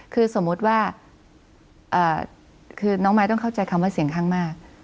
คือสมมุติว่าคือน้องมายต้องเข้าใจคำว่าเสียงข้างมาก